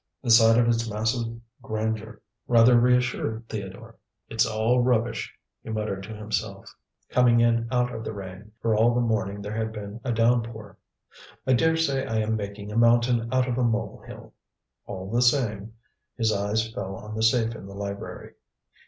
The sight of its massive grandeur rather reassured Theodore. "It's all rubbish," he muttered to himself, coming in out of the rain, for all the morning there had been a downpour. "I daresay I am making a mountain out of a mole hill. All the same" his eyes fell on the safe in the library.